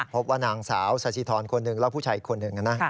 พบว่านางสาวสาธิธรคนหนึ่งแล้วผู้ชายอีกคนหนึ่งนะ